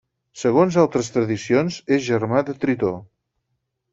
Segons altres tradicions, és germà de Tritó.